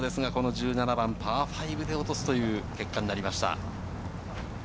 １７番パー５で落とす結果になりました。